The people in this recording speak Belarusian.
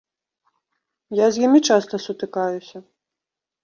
Я з імі часта сутыкаюся.